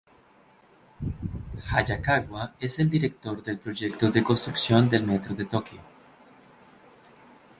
Hayakawa es el director del proyecto de construcción del metro de Tokio.